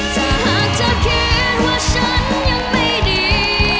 ถ้าหากเธอคิดว่าฉันยังไม่ดี